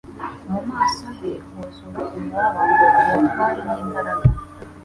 mu maso he huzura umubabaro, ubutware n'imbaraga.